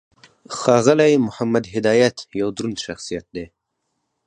ښاغلی محمد هدایت یو دروند شخصیت دی.